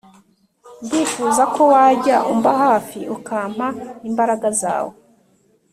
Ndifuza ko wajya umba hafi ukampa imbaraga zawe